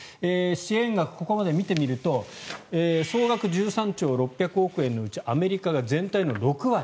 支援額、ここまで見てみると総額１３兆６００億円のうちアメリカが全体の６割。